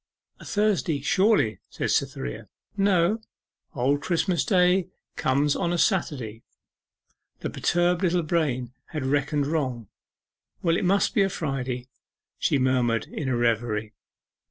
'A Thursday, surely?' said Cytherea. 'No: Old Christmas Day comes on a Saturday.' The perturbed little brain had reckoned wrong. 'Well, it must be a Friday,' she murmured in a reverie.